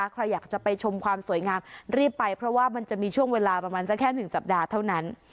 ใครอยากจะไปชมความสวยงามรีบไปเพราะว่ามันจะมีช่วงเวลาประมาณสักแค่๑สัปดาห์เท่านั้น